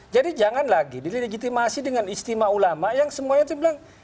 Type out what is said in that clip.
jadi jangan lagi dilegitimasi dengan istilah ulama yang semuanya itu bilang